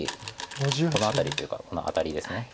「このあたり」というか「このアタリ」です。